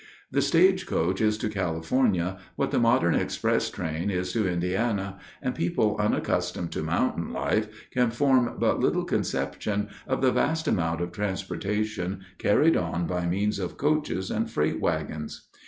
The stage coach is to California what the modern express train is to Indiana, and people unaccustomed to mountain life can form but little conception of the vast amount of transportation carried on by means of coaches and freight wagons.